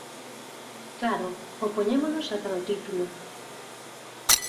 Claro, opoñémonos ata no título.